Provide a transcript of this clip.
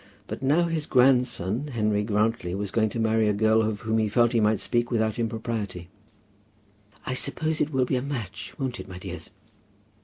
But now his grandson, Henry Grantly, was going to marry a girl of whom he felt that he might speak without impropriety. "I suppose it will be a match; won't it, my dears?"